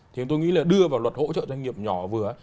thì tôi nghĩ là đưa vào luật hỗ trợ doanh nghiệp nhỏ và vừa